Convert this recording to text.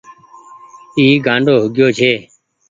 اي گآنڊو هو گيو ڇي ۔